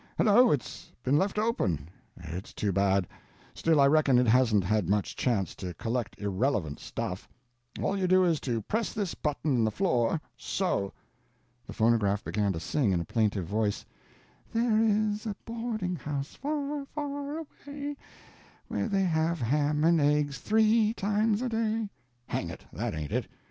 Hello, it's been left open—it's too bad—still I reckon it hasn't had much chance to collect irrelevant stuff. All you do is to press this button in the floor—so." The phonograph began to sing in a plaintive voice: There is a boarding house, far far away, Where they have ham and eggs, 3 times a day. "Hang it, that ain't it.